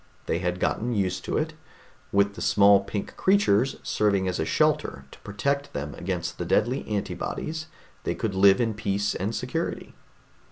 They had gotten used to it; with the small pink creatures serving as a shelter to protect them against the deadly antibodies, they could live in peace and security.